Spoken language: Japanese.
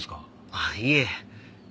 あっいえ。